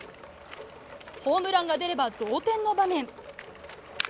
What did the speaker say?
ホームランが出れば同点の場面。